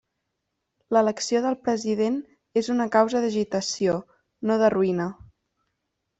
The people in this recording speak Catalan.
L'elecció del president és una causa d'agitació, no de ruïna.